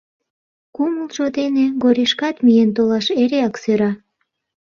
Кумылжо дене Горишкат миен толаш эреак сӧра.